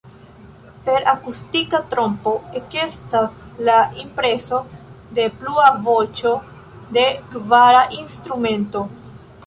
Per akustika trompo ekestas la impreso de plua voĉo, de kvara instrumento.